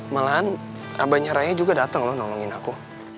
malahan aba nyaranya juga dateng loh nolongin aku